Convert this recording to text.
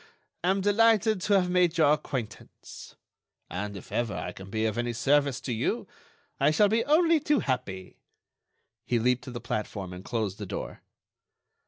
Am delighted to have made your acquaintance. And if ever I can be of any service to you, I shall be only too happy...." He leaped to the platform and closed the door.